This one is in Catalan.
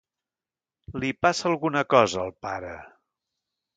Li passa alguna cosa al pare.